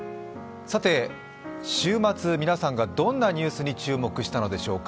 週末、皆さんがどんなニュースに注目したのでしょうか。